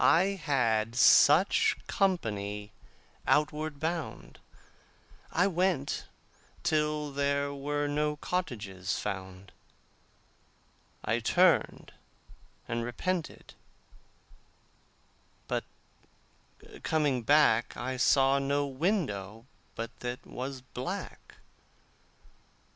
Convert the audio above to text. I had such company outward bound. I went till there were no cottages found. I turned and repented, but coming back I saw no window but that was black.